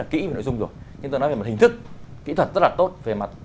không tự nhiên